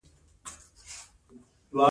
آیا زاینده رود سیند کله کله وچ نه وي؟